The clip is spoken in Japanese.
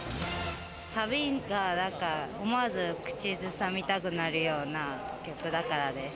サビがなんか、思わず口ずさみたくなるような曲だからです。